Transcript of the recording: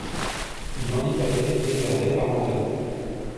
Une handicapée déclarait abandonner.